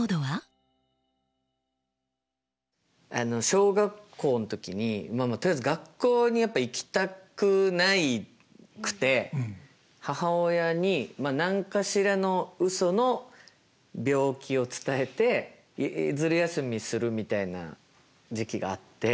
小学校の時にとりあえず学校にやっぱ行きたくなくて母親に何かしらのうその病気を伝えてずる休みするみたいな時期があって。